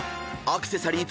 アクセサリー。